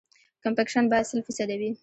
کمپکشن باید سل فیصده وي